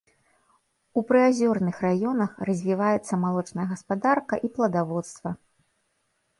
У прыазёрных раёнах развіваецца малочная гаспадарка і пладаводства.